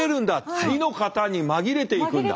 次の方に紛れて行くんだ。